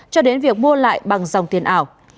cho đến việc mua lại bằng dòng tiền ảo